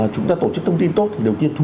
chúng ta tổ chức thông tin tốt thì đầu tiên thu